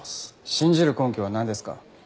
信じる根拠はなんですか？